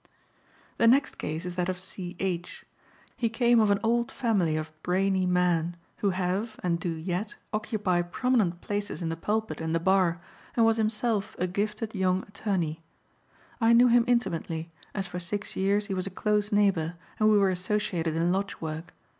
"The next case is that of C.H. He came of an old family of brainy men who have, and do yet, occupy prominent places in the pulpit and the bar, and was himself a gifted young attorney. I knew him intimately, as for six years he was a close neighbor and we were associated in lodge work.